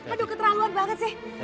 aduh keterlaluan banget sih